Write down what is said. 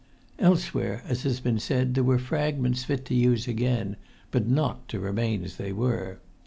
Elsewhere, as has been said, there were fragments fit to use again, but not to remain as they were.